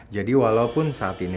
jadi walaupun saat ini